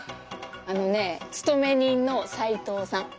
あのね勤め人の斉藤さん。